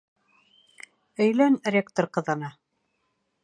Өйлән ректор ҡыҙына!